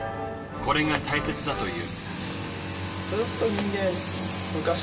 これが大切だという。